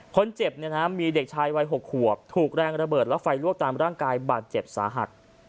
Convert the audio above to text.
คนเจ็บเนี่ยนะมีเด็กชายวัย๖ขวบถูกแรงระเบิดและไฟลวกตามร่างกายบาดเจ็บสาหัส